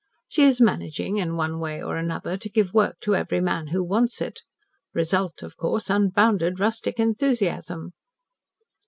She is managing, in one way or another, to give work to every man who wants it. Result, of course unbounded rustic enthusiasm."